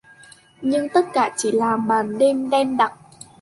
Nhưng tất cả chỉ là màn đêm đen đặc